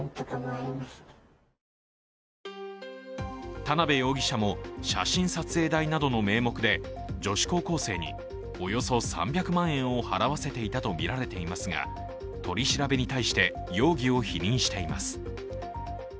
田辺容疑者も写真撮影代などの名目で女子高校生におよそ３００万円を払わせていたとみられていますが、取り調べに対して容疑を否認しています。